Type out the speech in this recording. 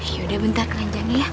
yaudah bentar keranjangnya ya